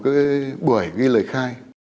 lấy lời khai